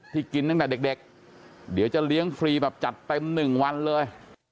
กินตั้งแต่เด็กเดี๋ยวจะเลี้ยงฟรีแบบจัดเต็ม๑วันเลย